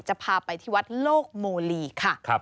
จะพาไปที่วัดโลกโมลีค่ะ